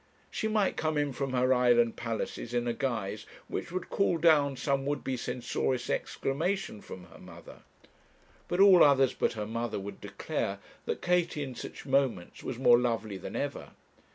She might come in from her island palaces in a guise which would call down some would be censorious exclamation from her mother; but all others but her mother would declare that Katie in such moments was more lovely than ever.